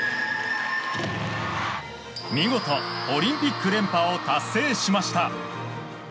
見事、オリンピック連覇を達成しました。